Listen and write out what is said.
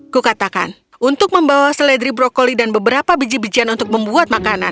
kukatakan untuk membawa seledri brokoli dan beberapa biji bijian untuk membuat makanan